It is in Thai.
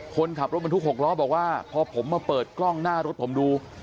คนขับรถบรรทุก๖ล้อบอกว่าพอผมมาเปิดกล้องหน้ารถผมดู